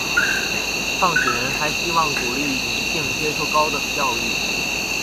创始人还希望鼓励女性接受高等教育。